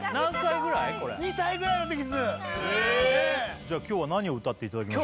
カワイイじゃあ今日は何を歌っていただけます？